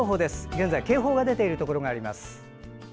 現在、警報が出ているところがあります。